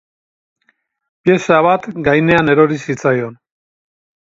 Pieza bat gainean erori zitzaion.